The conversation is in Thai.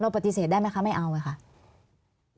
เราปฏิเสธได้ไหมคะไม่เอาไหมคะ